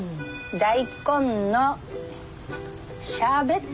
大根のシャーベット？